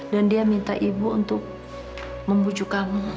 dan dia minta ibu untuk membucu kamu